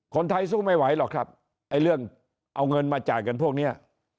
คนไทยสู้ไม่ไหวหรอกครับไอ้เรื่องเอาเงินมาจ่ายกันพวกนี้